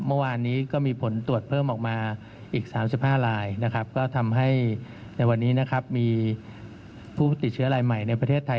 เมื่อวานนี้ก็มีผลตรวจเพิ่มออกมาอีก๓๕ลายนะครับก็ทำให้ในวันนี้นะครับมีผู้ติดเชื้อรายใหม่ในประเทศไทย